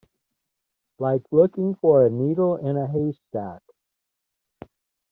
Like looking for a needle in a haystack.